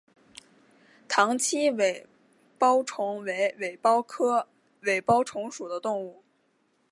塘栖尾孢虫为尾孢科尾孢虫属的动物。